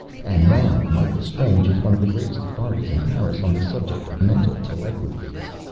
And now Michael Strange is one of the greatest authorities in Paris on the subject of mental telegraphy.